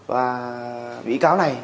và bị cáo này